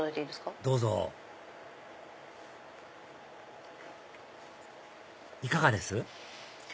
どうぞいかがです？